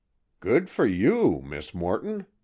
"Good for you! Miss Morton!"